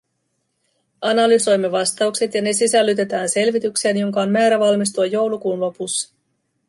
Analysoimme vastaukset, ja ne sisällytetään selvitykseen, jonka on määrä valmistua joulukuun lopussa.